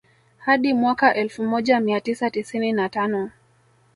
Hadi mwaka elfu moja mia tisa tisini na Tano